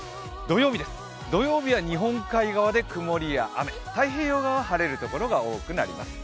土曜日は日本海側で曇りや雨、太平洋側は晴れるところが多くなります。